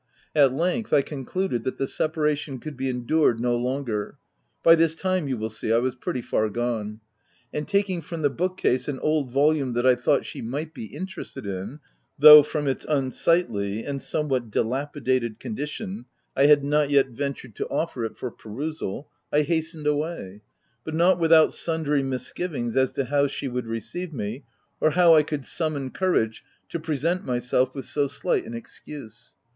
At length, I concluded that the separation could be endured no longer ; (by this time, you will see I was pretty far gone) and, taking from the book case an old volume that I thought she might be interested in, though, from its un sightly and somewhat dilapidated condition, I had not yet ventured to offer it for her perusal, I hastened away,— but not without sundry mis givings as to how she would receive me, or how I could summon courage to present my 180 THE TENANT self with so slight an excuse.